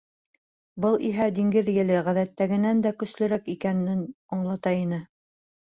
Был иһә диңгеҙ еле ғәҙәттәгенән дә көслөрәк икәнен аңлата ине.